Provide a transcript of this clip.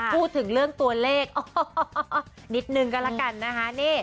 พูดถึงเรื่องตัวเลขนิดนึงก็แล้วกันนะคะ